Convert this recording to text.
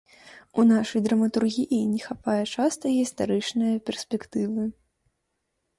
У нашай драматургіі не хапае часта гістарычнае перспектывы.